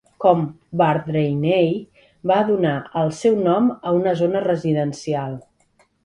Com Bardrainney, va donar el seu nom a una zona residencial.